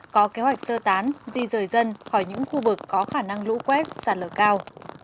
có kế hoạch sơ tán di rời dân khỏi những khu vực có khả năng lũ quét sạt lở cao